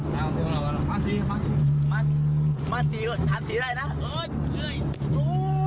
อยู่โหน่อยอยู่